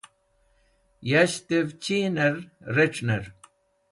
Yashtev Cheener Rec̃hner